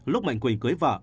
lúc mạnh quỳnh cưới vợ